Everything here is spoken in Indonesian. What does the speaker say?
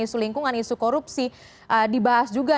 isu lingkungan isu korupsi dibahas juga